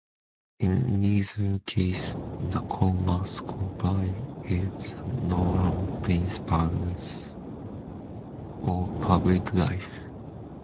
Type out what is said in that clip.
In either case the code must comply with the Nolan Principles of Public Life.